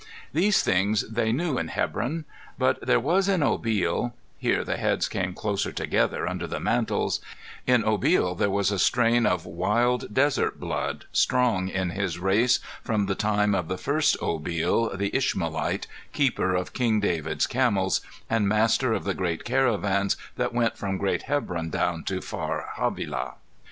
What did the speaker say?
These things they knew in Hebron. But there was in Obil here the heads came closer together under the mantles in Obil there was a Strain of wild desert blood, strong in his race from the time of the first Obil, the Ishmaelite, Keeper of King David's Camels, and master of the great caravans that went from great Hebron down to far Havilah.